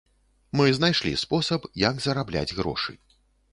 Мы знайшлі спосаб, як зарабляць грошы.